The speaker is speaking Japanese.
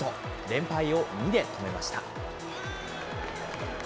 連敗を２で止めました。